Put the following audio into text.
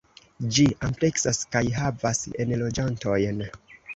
Ĝi ampleksas kaj havas enloĝantojn.